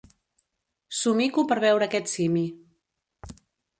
Somico per veure aquest simi.